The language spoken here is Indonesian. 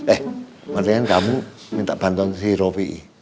eh mendingan kamu minta bantuan si rovi